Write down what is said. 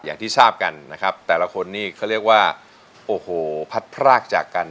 อย่างที่ทราบกันนะครับแต่ละคนนี่เขาเรียกว่าโอ้โหพัดพรากจากกัน